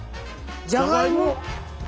じゃがいも。